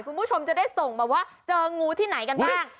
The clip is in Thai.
คุณผู้ชมจะได้ส่งมาว่าเจองูที่ไหนกันบ้าง